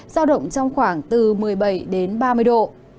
sao động trong khoảng từ một mươi bảy ba mươi độ